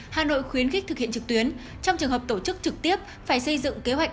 hà nội khuyến khích thực hiện trực tuyến trong trường hợp tổ chức trực tiếp phải xây dựng kế hoạch